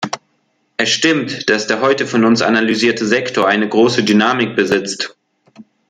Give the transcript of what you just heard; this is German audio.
Es stimmt, dass der heute von uns analysierte Sektor eine große Dynamik besitzt.